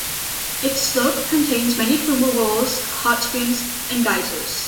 Its slopes contain many fumaroles, hot springs and geysers.